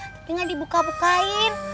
tapi gak dibuka bukain